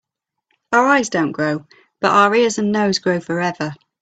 Our eyes don‘t grow, but our ears and nose grow forever.